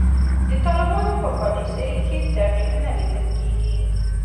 د طالبانو په پالیسیو کې تغیر نه لیدل کیږي.